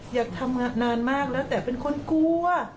อยากทำงานนานมากแล้วแต่เป็นคนกลัว